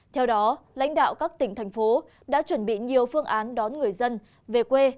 theo đó lãnh đạo các tỉnh thành phố đã chuẩn bị nhiều phương án đón người dân về quê